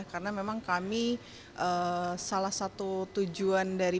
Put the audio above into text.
karena memang kami salah satu tujuan dari